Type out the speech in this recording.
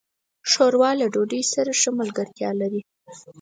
ښوروا له ډوډۍ سره ښه ملګرتیا لري.